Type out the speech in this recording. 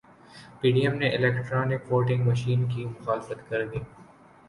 پی D M نے electronic voting machine کی مخالفت کردی